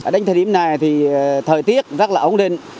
đến thời điểm này thì thời tiết rất là ổn định